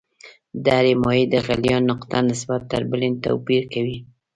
د هرې مایع د غلیان نقطه نسبت تر بلې توپیر کوي.